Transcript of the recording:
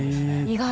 意外。